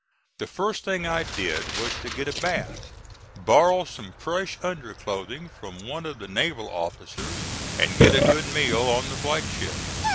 The first thing I did was to get a bath, borrow some fresh underclothing from one of the naval officers and get a good meal on the flag ship.